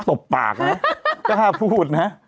ตบปากนะกล้าพูดนะ